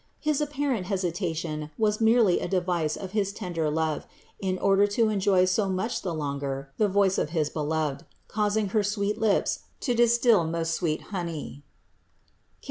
His apparent hesitation was merely a device of his tender love in order to enjoy so much the longer the voice of his Beloved, causing her sweet lips to distil most sweet honey (Cant.